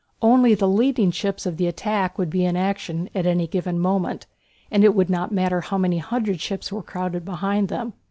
Only the leading ships of the attack would be in action at any given moment, and it would not matter how many hundred more were crowded behind them.